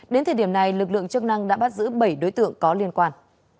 đến thời điểm này lực lượng chức năng đã bắt giữ bảy đối tượng có liên quan